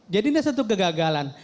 jadi ini satu kegagalan